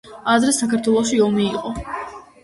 ადრე საქართველოში ომი იყო